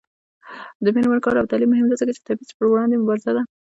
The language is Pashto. د میرمنو کار او تعلیم مهم دی ځکه چې تبعیض پر وړاندې مبارزه ده.